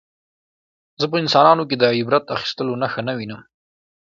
زه په انسانانو کې د عبرت اخیستلو نښه نه وینم